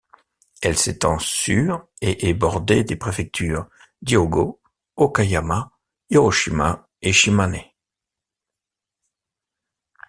Elle s'étend sur et est bordée des préfectures d'Hyôgo, Okayama, Hiroshima et Shimane.